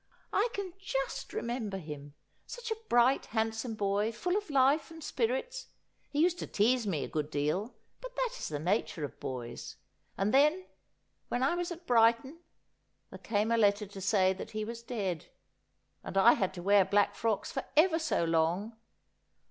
I can just rem mber him. Such a bright, handsome boy ; full of life and spirits. He u*ed to tease me a good deal, but that is the nature of boys. And then, when I was at Brighton, there came a letter to say that he was dead, and I had to wear black frocks for ever so long.